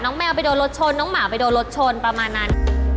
แมวไปโดนรถชนน้องหมาไปโดนรถชนประมาณนั้น